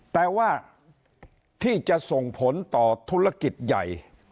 แต่ว่าที่จะส่งผลต่อธุรกิจใหญ่